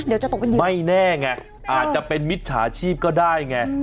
เดี๋ยวจะตกเป็นเหยื่อไม่แน่ไงอาจจะเป็นมิจฉาชีพก็ได้ไง